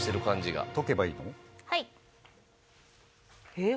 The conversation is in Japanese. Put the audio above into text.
えっ？